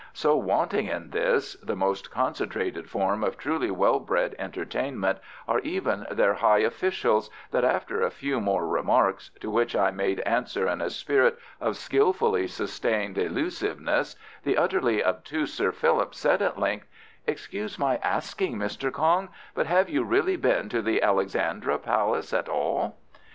So wanting in this, the most concentrated form of truly well bred entertainment, are even their high officials, that after a few more remarks, to which I made answer in a spirit of skilfully sustained elusiveness, the utterly obtuse Sir Philip said at length, "Excuse my asking, Mr. Kong, but have you really been to the Alexandra Palace at all?"